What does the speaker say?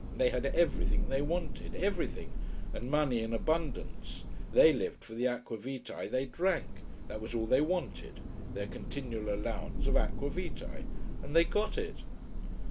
They had everything they wanted: everything: and money in abundance. They lived for the aqua vitae they drank. That was all they wanted: their continual allowance of aqua vitae. And they got it.